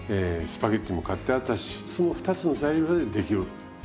スパゲッティも買ってあったしその２つの材料だけで出来るパスタなんです。